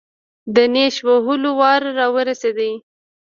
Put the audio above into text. د نېش وهلو وار راورسېد.